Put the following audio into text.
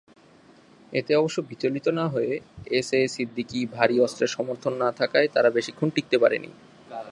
এতে অবশ্য বিচলিত না হয়ে এস এ সিদ্দিকী ভারী অস্ত্রের সমর্থন না থাকায় তারা বেশিক্ষণ টিকতে পারেননি।